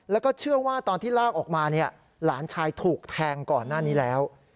แล้วก็เชื่อว่าตอนที่ลากออกมาเนี่ยหลานชายถูกแทงก่อนหน้านี้แล้ว